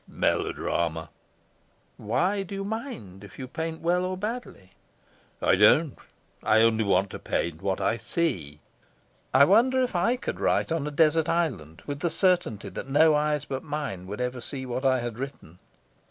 "Melodrama." "Why do you mind if you paint well or badly?" "I don't. I only want to paint what I see." "I wonder if I could write on a desert island, with the certainty that no eyes but mine would ever see what I had written."